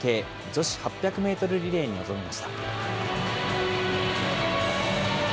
女子８００メートルリレーに臨みました。